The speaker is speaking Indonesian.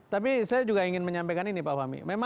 tapi saya juga ingin menyampaikan ini pak fahmi